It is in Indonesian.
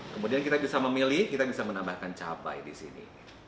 kemudian kita bisa memilih kita bisa menambahkan cabai di sini